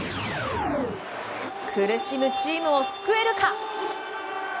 苦しむチームを救えるか。